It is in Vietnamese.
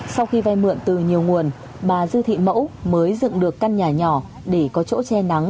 sau khi vay mượn từ nhiều nguồn bà dư thị mẫu mới dựng được căn nhà nhỏ để có chỗ che nắng